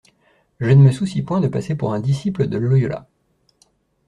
Je ne me soucie point de passer pour un disciple de Loyola.